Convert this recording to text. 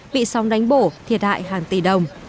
bị sóng đánh bổ thiệt hại hàng tỷ đồng